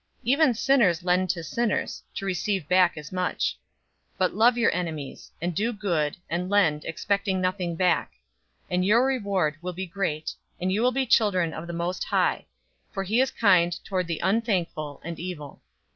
Even sinners lend to sinners, to receive back as much. 006:035 But love your enemies, and do good, and lend, expecting nothing back; and your reward will be great, and you will be children of the Most High; for he is kind toward the unthankful and evil.